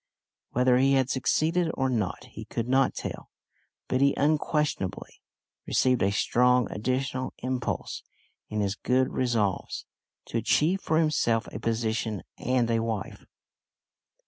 Whether he had succeeded or not he could not tell, but he unquestionably received a strong additional impulse in his good resolves to achieve for himself a position and a wife!